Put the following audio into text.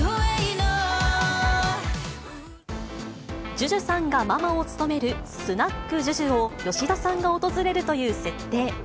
ＪＵＪＵさんがママを務めるスナックＪＵＪＵを吉田さんが訪れるという設定。